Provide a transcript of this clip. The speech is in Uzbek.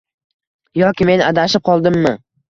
Yoki men adashib qoldimmi?